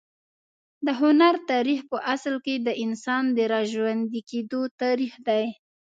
د هنر تاریخ په اصل کې د انسان د راژوندي کېدو تاریخ دی.